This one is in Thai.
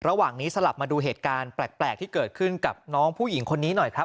ระหว่างนี้สลับมาดูเหตุการณ์แปลกที่เกิดขึ้นกับน้องผู้หญิงคนนี้หน่อยครับ